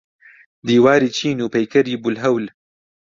دیواری چین و پەیکەری بولهەول.